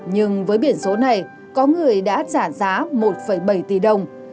nhưng với biển số này có người đã trả giá một bảy tỷ đồng